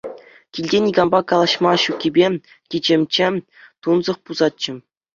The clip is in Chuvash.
Килте никампа калаҫма ҫуккипе кичемччӗ, тунсӑх пусатчӗ.